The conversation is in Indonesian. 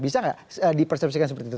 bisa nggak dipersepsikan seperti itu